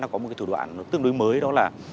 có một thủ đoạn tương đối mới đó là